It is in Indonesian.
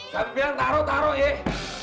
tapi bilang taruh taruh eh